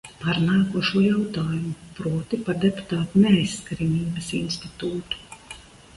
Par nākošo jautājumu, proti, par deputātu neaizskaramības institūtu.